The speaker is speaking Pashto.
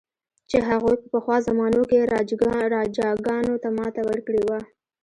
چې هغوی په پخوا زمانو کې راجاګانو ته ماته ورکړې وه.